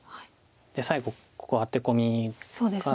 で最後ここアテコミが。